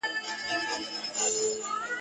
پر دې ئې اتفاق کړی وو، چي يوسف د څاه تل ته واچوي.